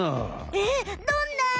えっどんな？